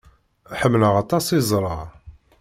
Ḥemmleɣ aṭas iẓra.